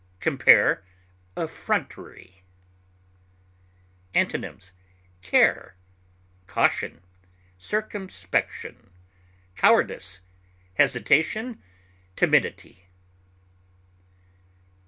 Compare EFFRONTERY. Antonyms: care, circumspection, cowardice, hesitation, timidity, wariness.